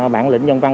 bản lĩnh dân văn